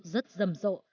rất rầm rộ